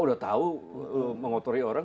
sudah tahu mengotori orang